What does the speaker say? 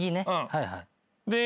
はいはい。